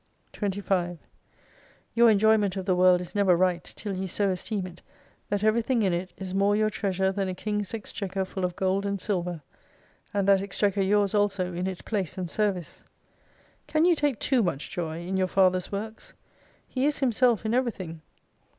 25 Your enjoyment of the World is never right, till you so esteem it, that everything in it, is more your treasure than a King's exchequer full of Gold and Silver. And that exchequer yours also in its place and service. Can you take too much joy in your Father's works ? He is Himself in everything.